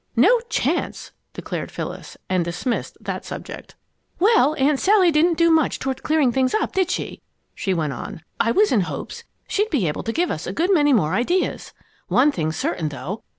"No chance!" declared Phyllis, and dismissed that subject. "Well, Aunt Sally didn't do much toward clearing up things, did she?" she went on. "I was in hopes she'd be able to give us a good many more ideas. One thing's certain though.